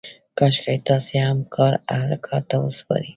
کاشکې تاسې هم کار اهل کار ته وسپارئ.